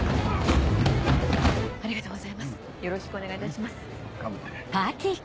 はい。